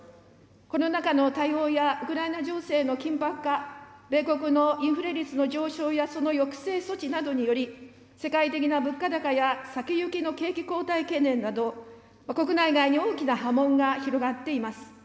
コロナ禍の対応やウクライナ情勢の緊迫化、米国のインフレ率の上昇やその抑制措置などにより、世界的な物価高や先行きの景気後退懸念など、国内外に大きな波紋が広がっています。